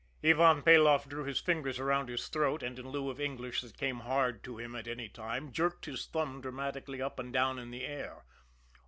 Ivan Peloff drew his fingers around his throat, and, in lieu of English that came hard to him at any time, jerked his thumb dramatically up and down in the air.